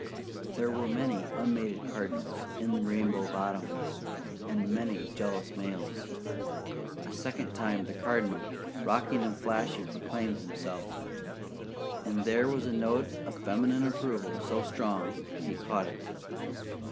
There were many unmated cardinals in Rainbow Bottom, and many jealous males. A second time the Cardinal, rocking and flashing, proclaimed himself; and there was a note of feminine approval so strong that he caught it.